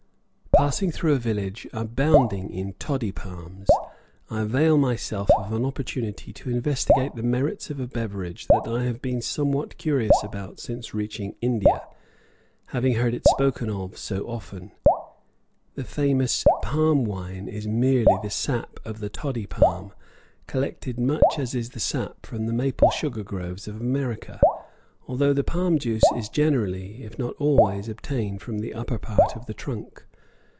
Passing through a village abounding in toddy palms, I avail myself of an opportunity to investigate the merits of a beverage that I have been somewhat curious about since reaching India, having heard it spoken of so often. The famous "palm wine" is merely the sap of the toddy palm, collected much as is the sap from the maple sugar groves of America, although the palm juice is generally, if not always, obtained from the upper part of the trunk.